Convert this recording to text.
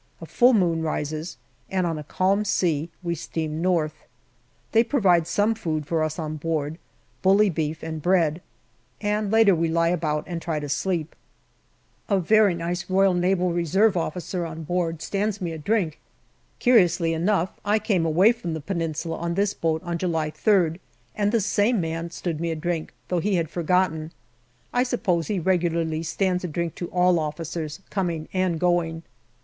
A full moon rises, and on a calm sea we steam north. They provide some food for us on board, bully beef and bread, and later we lie about and try to sleep. A very nice R.N.R. officer on board stands me a drink. Curiously enough, I came away from the Peninsula on this boat on July 3rd, and the same man stood me a drink, though he had forgotten. I suppose he regularly stands a drink to all officers coming and going.